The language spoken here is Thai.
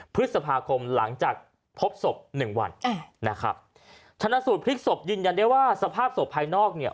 พฤษภาคมหลังจากพบศพหนึ่งวันนะครับชนะสูตรพลิกศพยืนยันได้ว่าสภาพศพภายนอกเนี่ย